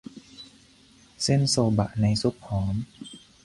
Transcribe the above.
เส้นโซบะในซุปหอม